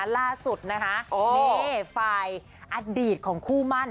ราดสุดฟายอดีตของคู่มั่น